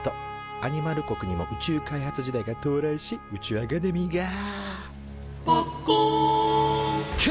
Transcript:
アニマル国にも宇宙開発時代が到来し宇宙アカデミーが「ぱっこん！」と誕生。